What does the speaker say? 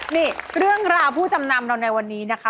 นี่เรื่องราวผู้จำนำเราในวันนี้นะคะ